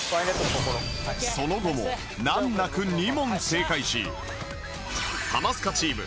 その後も難なく２問正解しハマスカチーム